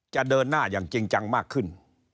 จะเดินหน้าอย่างจริงจังมากขึ้น